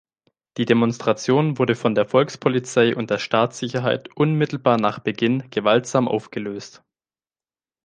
Die Demonstration wurde von der Volkspolizei und der Staatssicherheit unmittelbar nach Beginn gewaltsam aufgelöst.